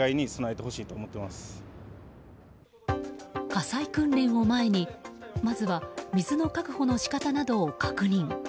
火災訓練を前にまずは水の確保の仕方などを確認。